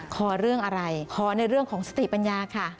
ขอเรื่องอะไรขอในเรื่องของสติปัญญาค่ะ